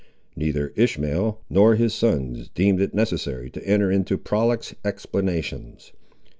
Neither Ishmael, nor his sons deemed it necessary to enter into prolix explanations.